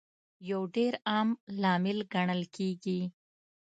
یو ډېر عام لامل ګڼل کیږي